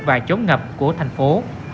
và chống ngập của thành phố